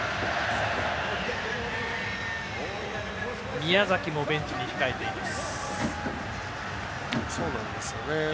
宮崎もベンチに控えています。